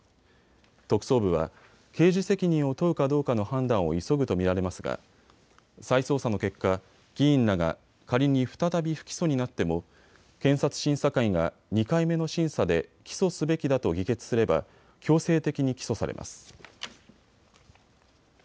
特捜部は、刑事責任を問うかどうかの判断を急ぐと見られますが再捜査の結果、議員らが仮に再び不起訴になっても検察審査会が２回目の審査で起訴すべきだと議決すれば強制的に起訴されます。